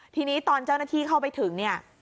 ทีนี้ตอนเจ้าหน้าที่เข้าไปถึงเนี่ย